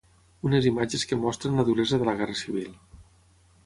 Unes imatges que mostren la duresa de la guerra civil.